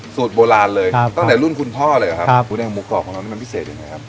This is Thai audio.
สูตรโบราณเลยครับตั้งแต่รุ่นคุณพ่อเลยเหรอครับหมูแดงหมูกรอบของเรานี่มันพิเศษยังไงครับ